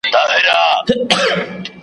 تر سفر مخکي د مرګ په خوله کي بند وو .